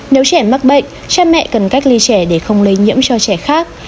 nếu trẻ mắc bệnh cha mẹ cần cách ly trẻ để không lây nhiễm cho trẻ khác